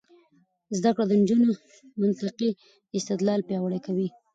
زده کړه د نجونو منطقي استدلال پیاوړی کوي.